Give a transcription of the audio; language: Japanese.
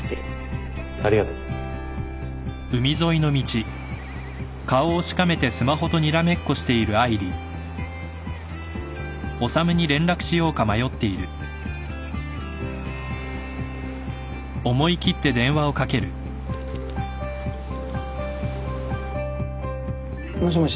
ありがとう。もしもし。